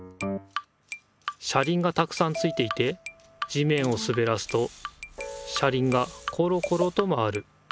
車りんがたくさんついていて地めんをすべらすと車りんがコロコロと回る。